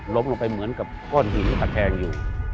ลงไปเหมือนกับก้อนหินตะแคงอยู่